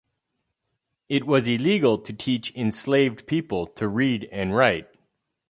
It was illegal to teach enslaved people to read and write.